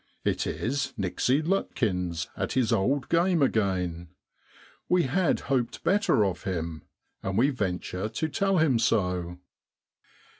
It is Nixey Lutkins at his old game again. We had hoped better of him, and we ven ture to tell him so.